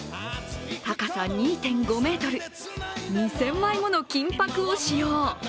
高さ２．５ｍ、２０００枚もの金ぱくを使用